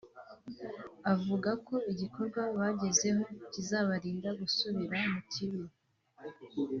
avuga ko igikorwa bagezeho kizabarinda gusubira mu kibi